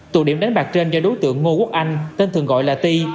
tụ điểm đánh bạc trên do đối tượng ngô quốc anh tên thường gọi là ti